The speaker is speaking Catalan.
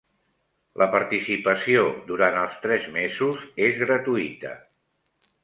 La participació durant els tres mesos és gratuïta.